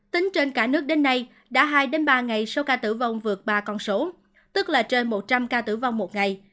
tính trên cả nước đến nay đã hai ba ngày số ca tử vong vượt ba con số tức là trên một trăm linh ca tử vong một ngày